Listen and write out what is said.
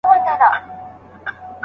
او تګ به یې کرار سو